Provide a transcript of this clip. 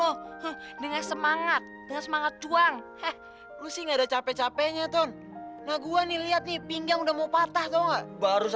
kenapa kamu gak pernah cerita sama aku